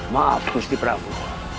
maaf gusti prabu